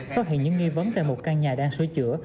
phát hiện những nghi vấn tại một căn nhà đang sửa chữa